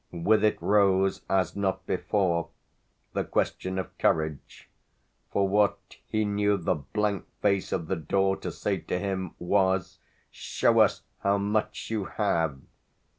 With it rose, as not before, the question of courage for what he knew the blank face of the door to say to him was "Show us how much you have!"